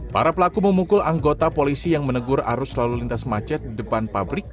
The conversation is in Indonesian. para pelaku memukul anggota polisi yang menegur arus lalu lintas macet di depan pabrik